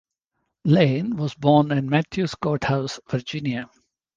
Lane was born in Mathews Court House, Virginia.